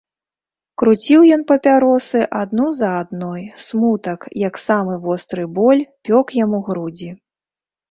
Круціў ён папяросы адну за адной, смутак, як самы востры боль, пёк яму грудзі.